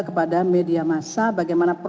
kepada media masa